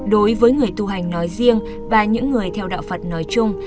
đối với người tu hành nói riêng và những người theo đạo phật nói chung